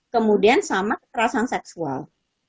kemudian sama kekerasan seksual